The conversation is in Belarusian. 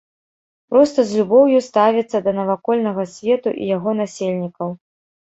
Проста з любоўю ставіцца да навакольнага свету і яго насельнікаў.